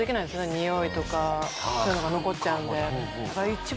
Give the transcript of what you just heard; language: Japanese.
においとかそういうのが残っちゃうんで。